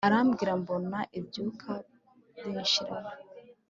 Arambwira mbona ibyuya binshiramo